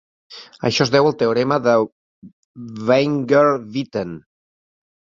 Això es deu al teorema de Weinberg-Witten.